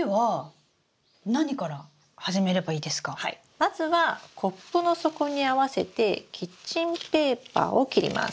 まずはコップの底に合わせてキッチンペーパーを切ります。